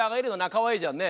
かわいいじゃんね。